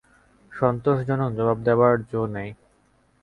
সন্তোষজনক জবাব দেবার জো নেই।